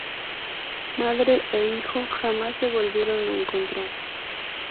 Madre e hijo jamás se volvieron a encontrar.